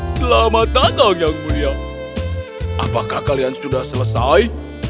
selamat datang yang mulya apakah kalian sudah selesai